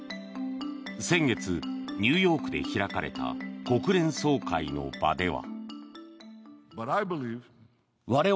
先月、ニューヨークで開かれた国連総会の場では。